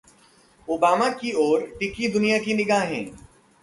Obama की ओर टिकीं दुनिया की निगाहें